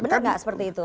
benar tidak seperti itu